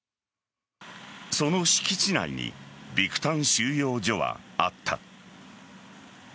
その敷地内にビクタン収容所はあった。